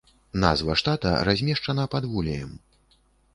Назва штата размешчана пад вулеем.